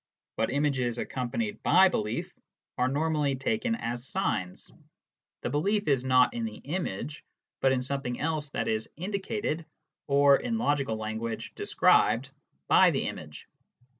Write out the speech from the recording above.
But images accompanied by belief are normally taken as signs : the belief is not in the image, but in something else that is indicated (or, in logical language " described ") by the image.